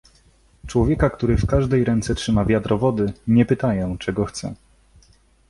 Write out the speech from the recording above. "Człowieka, który w każdej ręce trzyma wiadro wody, nie pytają, czego chce."